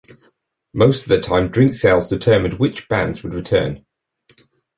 Most of the time drink sales determined which bands would return.